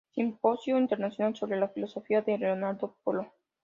Simposio internacional sobre la filosofía de Leonardo Polo.